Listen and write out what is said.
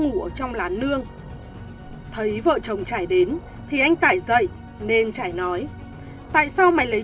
ngủ ở trong lán nương thấy vợ chồng trải đến thì anh tải dậy nên trải nói tại sao mày lấy